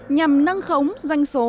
nhằm nâng khống doanh số